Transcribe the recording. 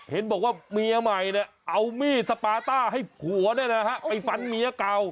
เห็นบอกว่าเมียใหม่เอามีดสปาต้าให้ผัวไปฟันเมียเก่า